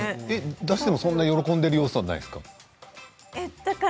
出しても喜んでいる様子はないんですか？